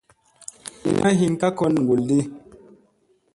Lina hin ka kon ŋgolɗi.